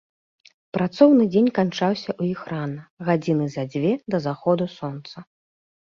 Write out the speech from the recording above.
Працоўны дзень канчаўся ў іх рана, гадзіны за дзве да заходу сонца.